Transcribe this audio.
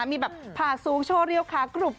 มีแบบผ่าสูงโชว์เรียวขากรุบ